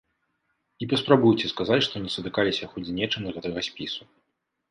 І паспрабуйце сказаць, што не сутыкаліся хоць з нечым з гэтага спісу.